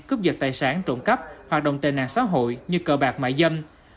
cướp dật tài sản trộn cấp hoạt động tề nạn xã hội như cờ bạc mại dân